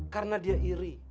karena dia iri